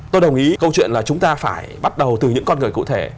tôi đồng ý câu chuyện là chúng ta phải bắt đầu từ những con người cụ thể